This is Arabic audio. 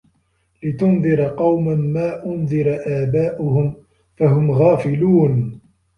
لِتُنذِرَ قَومًا ما أُنذِرَ آباؤُهُم فَهُم غافِلونَ